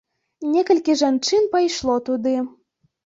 Некалькі жанчын пайшло туды.